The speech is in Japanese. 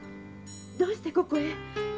どうしてここへ？